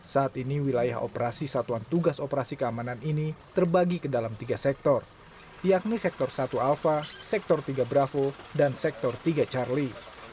saat ini wilayah operasi satuan tugas operasi keamanan ini terbagi ke dalam tiga sektor yakni sektor satu alpha sektor tiga bravo dan sektor tiga charlie